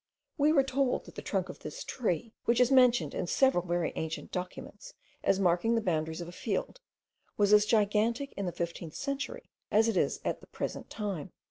We were told, that the trunk of this tree, which is mentioned in several very ancient documents as marking the boundaries of a field, was as gigantic in the fifteenth century as it is at the present time.